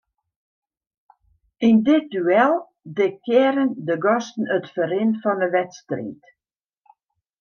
Yn dit duel diktearren de gasten it ferrin fan 'e wedstriid.